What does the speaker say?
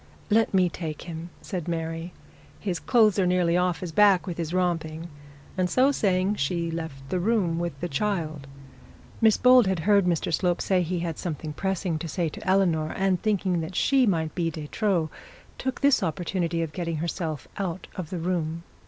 'Let me take him,' said Mary. 'His clothes are nearly off his back with his romping,' and so saying she left the room with the child. Miss Bold had heard Mr Slope say he had something pressing to say to Eleanor, and thinking that she might be de trop, took the opportunity of getting herself out of the room.